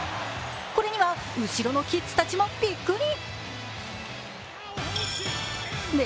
これには後ろのキッズたちもビックリ。